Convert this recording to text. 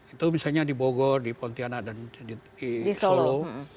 itu misalnya di bogor di pontianak dan di solo